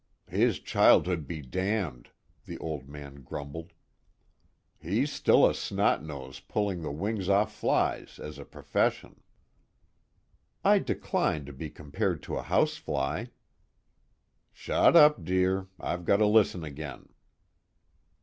"His childhood be damned," the Old Man grumbled. "He's still a snotnose pulling the wings off flies, as a profession." "I decline to be compared to a house fly." "Shut up, dear. I've got to listen again."